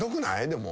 でも。